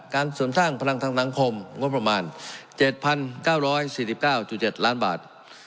เสริมสร้างพลังทางสังคมงบประมาณ๗๙๔๙๗ล้านบาท